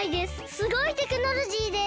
すごいテクノロジーです。